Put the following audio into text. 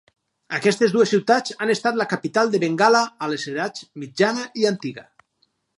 Aquestes dues ciutats han estat la capital de Bengala a les edats mitjana i antiga.